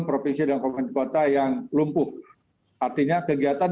provinsi dan kabupaten kota yang lumpuh artinya kegiatan